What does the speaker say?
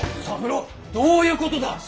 三郎どういうことだ！